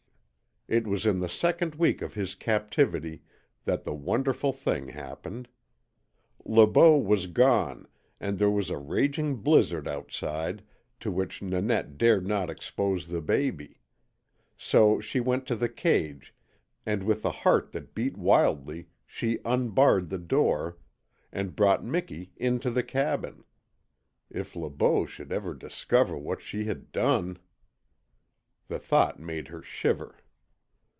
It was in the second week of his captivity that the wonderful thing happened. Le Beau was gone, and there was a raging blizzard outside to which Nanette dared not expose the baby. So she went to the cage, and with a heart that beat wildly, she unbarred the door and brought Miki into the cabin! If Le Beau should ever discover what she had done ! The thought made her shiver.